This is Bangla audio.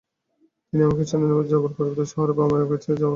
তিনি আমাকে সেনানিবাসে যাওয়ার পরিবর্তে শহরে বাবা-মায়ের কাছে যাওয়ার কথা বললেন।